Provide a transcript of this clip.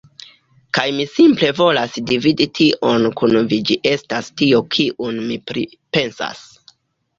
Kaj mi simple volas dividi tion kun vi ĝi estas tio kiun mi pripensas